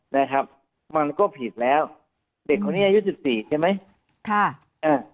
นะครับมันก็ผิดแล้วเด็กคนนี้อายุสิบสี่ใช่ไหมค่ะอ่า